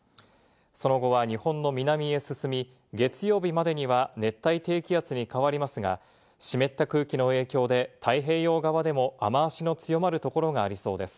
その後は日本の南へ進み、月曜日までには熱帯低気圧に変わりますが、湿った空気の影響で太平洋側でも雨脚の強まるところがありそうです。